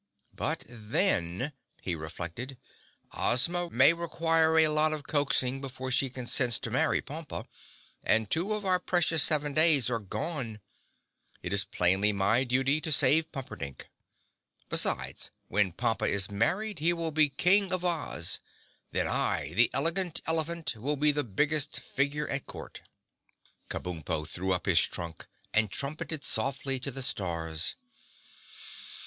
"But then," he reflected, "Ozma may require a lot of coaxing before she consents to marry Pompa, and two of our precious seven days are gone. It is plainly my duty to save Pumperdink. Besides, when Pompa is married he will be King of Oz! Then I, the Elegant Elephant, will be the biggest figure at Court." Kabumpo threw up his trunk and trumpeted softly to the stars.